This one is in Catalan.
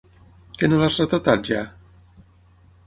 Que no l'has retratat, ja?